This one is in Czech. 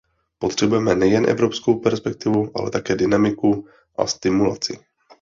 Potřebujeme nejen evropskou perspektivu, ale také dynamiku a stimulaci.